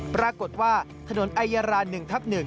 ปรากฏว่าถนนไอยารา๑ทับ๑